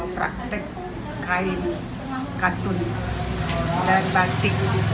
praktek kain katun dan batik